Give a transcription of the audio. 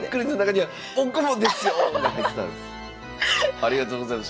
ありがとうございます。